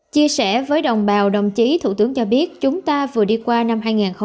chia sẻ với đồng bào đồng chí thủ tướng cho biết chúng ta vừa đi qua năm hai nghìn một mươi chín